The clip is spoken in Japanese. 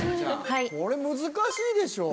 これ難しいでしょう。